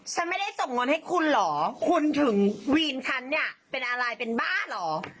ฉันไม่ได้ส่งเงินให้คุณเหรอคุณถึงวีนฉันเนี่ยเป็นอะไรเป็นบ้าเหรอ